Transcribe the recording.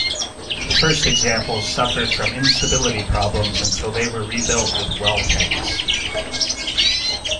The first examples suffered from instability problems until they were rebuilt with well-tanks.